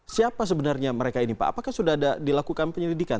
siapa sebenarnya mereka ini pak apakah sudah ada dilakukan penyelidikan